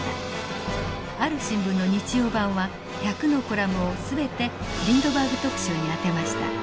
ある新聞の日曜版は１００のコラムを全てリンドバーグ特集に充てました。